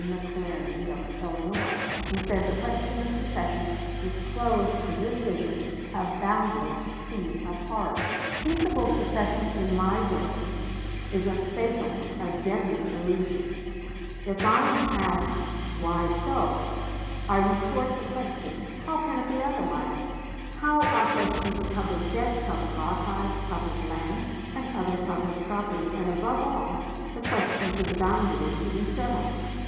McClernand, of Illinois, who said the question of secession disclosed to his vision a boundless sea of horrors. "Globe," Dec. 10, 1860, p. 39. Peaceable secession, in my judgment, is a fatal, a deadly illusion.... If I am asked, Why so? I retort the question. How can it be otherwise? How are questions of public debt, public archives, public lands, and other public property, and, above all, the questions of boundary to be settled?